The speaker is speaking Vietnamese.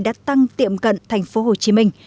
đã tăng tiệm cận thành phố hồ chí minh